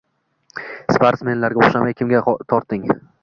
Sportsmenlarga o‘xshamay kimga tortding?